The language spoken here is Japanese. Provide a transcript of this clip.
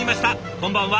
こんばんは。